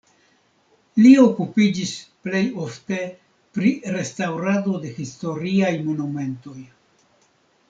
Li okupiĝis plej ofte pri restaŭrado de historiaj monumentoj.